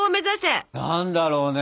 何だろうね。